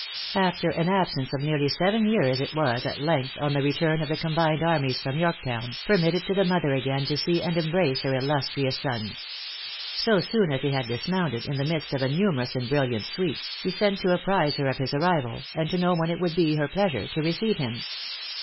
"After an absence of nearly seven years, it was, at length, on the return of the combined armies from Yorktown, permitted to the mother again to see and embrace her illustrious son. So soon as he had dismounted, in the midst of a numerous and brilliant suite, he sent to apprize her of his arrival, and to know when it would be her pleasure to receive him.